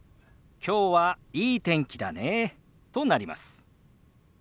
「きょうはいい天気だね」となります。